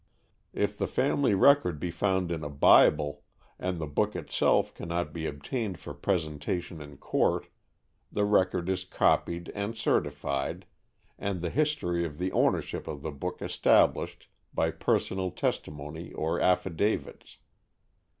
If the family record be found in a Bible, and the book itself cannot be obtained for presentation in court, the record is copied and certified, and the history of the ownership of the book established by personal testimony or affidavits.